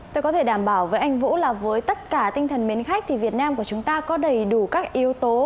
tôi có thể đảm bảo với anh vũ là với tất cả tinh thần mến khách thì việt nam của chúng ta có đầy đủ các yếu tố